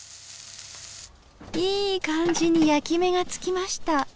いい感じに焼き目がつきました。